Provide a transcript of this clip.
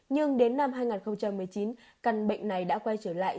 nhưng đến năm hai nghìn một mươi chín căn bệnh này đã quay trở lại